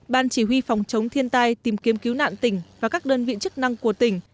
ban chỉ huy phòng chống thiên tai tìm kiếm cứu nạn tỉnh và các đơn vị chức năng của tỉnh